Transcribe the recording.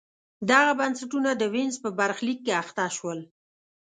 دغه بنسټونه د وینز په برخلیک اخته شول.